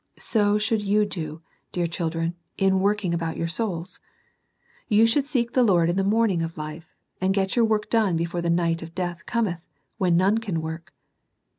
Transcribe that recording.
So should you do, dear children, in working about your souls. You should seek the Lord in the morning of life, and get your work done before the night of death cometh, when none can work.